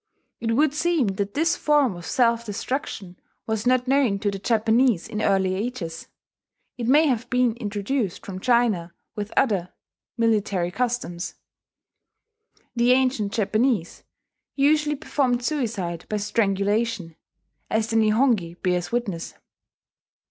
It would seem that this form of self destruction was not known to the Japanese in early ages; it may have been introduced from China, with other military customs. The ancient Japanese usually performed suicide by strangulation, as the Nihongi bears witness.